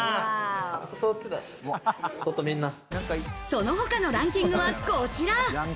その他のランキングはこちら。